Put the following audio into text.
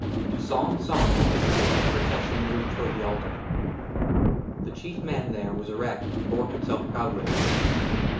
TO SOLEMN SONGS, A WHITE PROCESSION MOVED TOWARD THE ALTAR. THE CHIEF MAN THERE WAS ERECT, AND BORE HIMSELF PROUDLY.